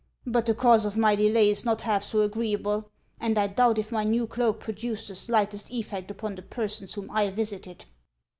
But the cause of my delay is not half so agreeable ; and I doubt if my new cloak produced the slightest effect upon the persons whom I visited."